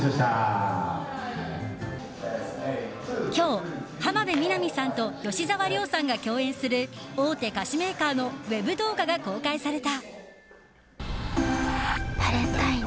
今日、浜辺美波さんと吉沢亮さんが共演する大手菓子メーカーのウェブ動画が公開された。